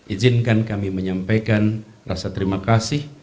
izinkan kami menyampaikan rasa terima kasih